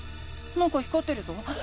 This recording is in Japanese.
なんか光ってるぞ。